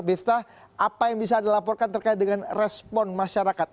bifta apa yang bisa dilaporkan terkait dengan respon masyarakat